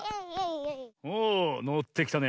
おおのってきたね。